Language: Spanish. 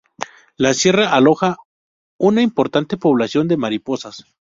La sierra aloja una importante población de mariposas.